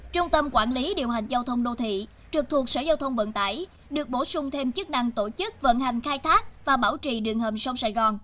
trung tâm quản lý điều hành giao thông đô thị trực thuộc sở giao thông vận tải được bổ sung thêm chức năng tổ chức vận hành khai thác và bảo trì đường hầm sông sài gòn